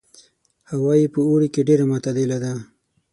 هوا یې په اوړي کې ډېره معتدله ده.